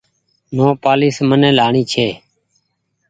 نوپآليس من لآڻي ڇي۔